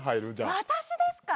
私ですか？